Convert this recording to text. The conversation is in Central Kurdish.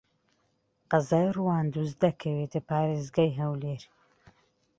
قەزای ڕەواندز دەکەوێتە پارێزگای هەولێر.